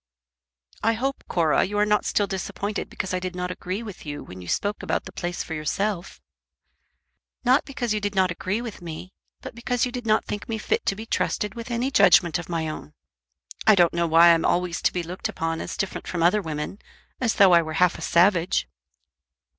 "I hope, Cora, you are not still disappointed because I did not agree with you when you spoke about the place for yourself." "Not because you did not agree with me, but because you did not think me fit to be trusted with any judgment of my own. I don't know why I'm always to be looked upon as different from other women, as though I were half a savage."